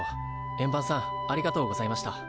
円盤さんありがとうございました。